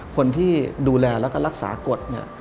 คนที่ดูแลและรักษากฏเนี่ย